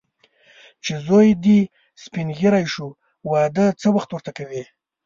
چې زوی دې سپین ږیری شو، واده څه وخت ورته کوې.